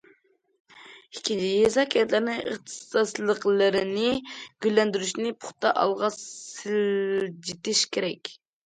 ئىككىنچى، يېزا- كەنتلەرنىڭ ئىختىساسلىقلىرىنى گۈللەندۈرۈشنى پۇختا ئالغا سىلجىتىش كېرەك.